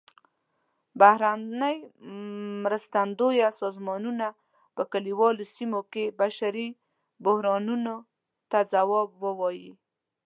بهرنۍ مرستندویه سازمانونه په کلیوالو سیمو کې بشري بحرانونو ته ځواب ووايي.